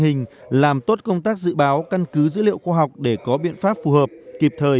hình làm tốt công tác dự báo căn cứ dữ liệu khoa học để có biện pháp phù hợp kịp thời